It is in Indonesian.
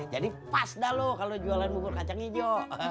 jadi pas dah lu kalau jualan bubur kacang ijo